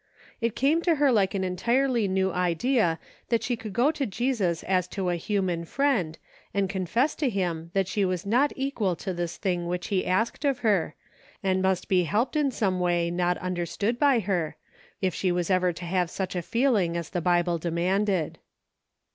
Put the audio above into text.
It came to her like an entirely new idea that she could go to Jesus as to a human friend and confess to him that she was not equal to this thing which he asked of her, and must be helped in some way not understood by her, if she was ever to have such a feeling as the Bible demanded.